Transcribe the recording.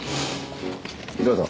どうぞ。